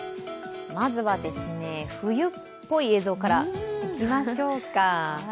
まずは冬っぽい映像からいきましょうか。